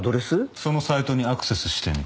そのサイトにアクセスしてみた。